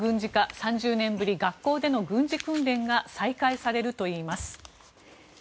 ３０年ぶり、学校での軍事訓練が再開されるといいます。